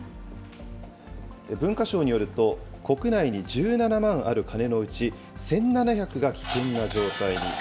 文化省によりますと、国内に１７万ある鐘のうち、１７００が危険な状態に。